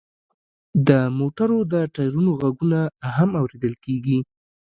د موټرو د ټیرونو غږونه هم اوریدل کیږي